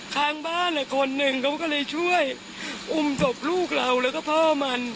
ข้างบ้านคนหนึ่งเขาก็เลยช่วยอุ้มศพลูกเราแล้วก็พ่อมัน